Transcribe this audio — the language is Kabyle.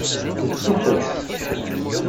Tettfuḥuḍ.